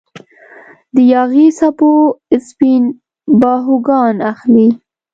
د یاغي څپو سپین باهوګان اخلي